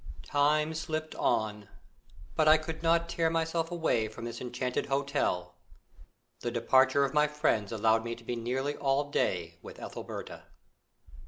Time slipped on; but I could not tear myself away from this enchanted hotel. The departure of my friends allowed me to be nearly all day with Ethelberta.